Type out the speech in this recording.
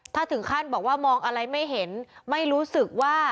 ถ้าถึงขั้นบอกว่ามองอะไรไม่เห็นไม่รู้สึกว่า